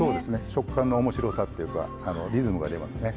食感のおもしろさっていうかリズムが出ますね。